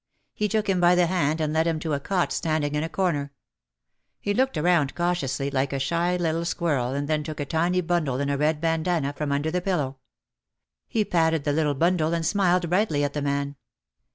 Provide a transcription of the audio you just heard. He took him by the hand and led him to a cot standing in a corner. He looked around cautiously like a shy little squirrel and then took a tiny bundle in a red bandana from under the pillow. He patted the little bundle and smiled brightly at the man.